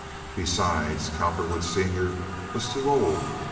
Besides, Cowperwood, Sr., was too old.